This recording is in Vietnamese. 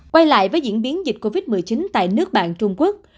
quay lại với diễn biến dịch covid một mươi chín tại nước bạn trung quốc